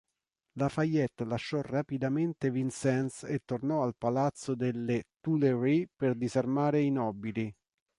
Lafayette lasciò rapidamente Vincennes e tornò al Palazzo delle Tuileries per disarmare i nobili.